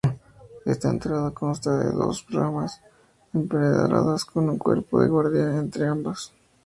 Esta entrada consta de dos rampas empedradas con un cuerpo de guardia entre ambas.